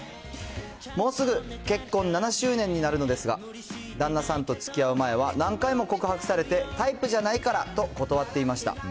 もうすぐ結婚７周年になるのですが、旦那さんとつきあう前は、何回も告白されて、タイプじゃないからと断っていました。